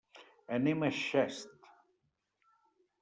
Anem a Xest.